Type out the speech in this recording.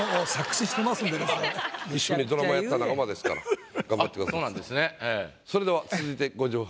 一緒にドラマやった仲間ですから頑張ってください。